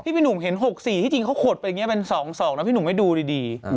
พี่หนุ่มเห็น๖๔ที่จริงเขาขดไปอย่างนี้เป็น๒๒นะพี่หนุ่มไม่ดูดี